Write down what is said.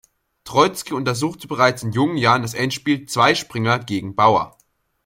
Troizki untersuchte bereits in jungen Jahren das Endspiel "Zwei Springer gegen Bauer".